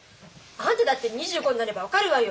あんただって２５になれば分かるわよ。